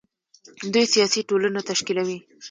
دوی سیاسي ټولنه تشکیلوي.